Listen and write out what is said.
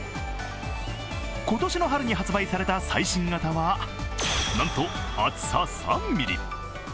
今年の春に発売された最新型は、なんと厚さ３ｍｍ。